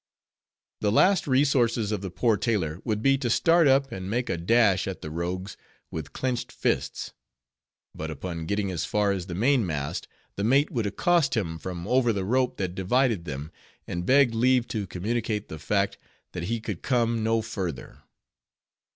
The last resources of the poor tailor would be, to start up, and make a dash at the rogues, with clenched fists; but upon getting as far as the mainmast, the mate would accost him from over the rope that divided them, and beg leave to communicate the fact, that he could come no further.